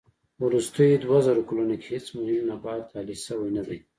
وروستيو دووزرو کلونو کې هېڅ مهم نبات اهلي شوی نه دي.